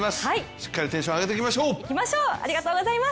しっかりテンション上げていきましょう！